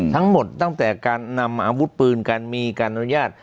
ตั้งแต่การนำอาวุธปืนการมีการอนุญาต